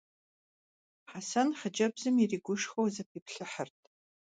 Хьэсэн хъыджэбзым иригушхуэу зэпиплъыхьырт.